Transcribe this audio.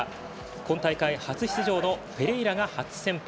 今大会初出場のフェレイラが初先発。